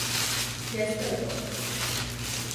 Јесте ли га?